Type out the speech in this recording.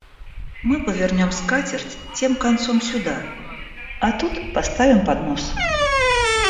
Мы повернем скатерть тем концом сюда, а тут поставим поднос.